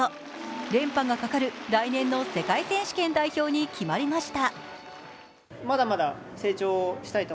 連覇がかかる来年の世界選手権代表に決まりました。